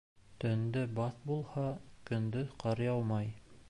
Төндә бәҫ булһа, көндөҙ ҡар яумай.